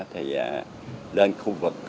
thì lên khu vực